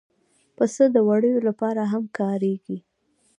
پسه د وړیو لپاره هم کارېږي.